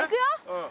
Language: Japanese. うん。